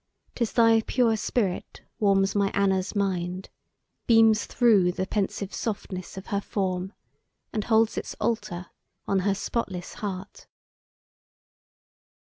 'Tis thy pure spirit warms my Anna's mind, Beams through the pensive softness of her form, And holds its altar on her spotless heart!